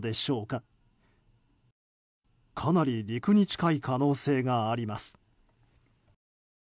かなり陸に近い可能性があります。